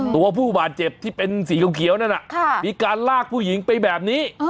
ผู้บาดเจ็บที่เป็นสีเขียวนั่นมีการลากผู้หญิงไปแบบนี้